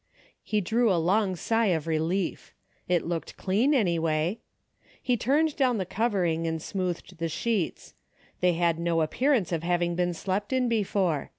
He drew a long sigh of relief. It looked clean anyway. He turned down the covering and smoothed the sheets. They had no appearance of having been slept in before.